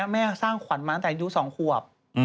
สร้างขวัญมาตั้งแต่อายุ๒ขวบ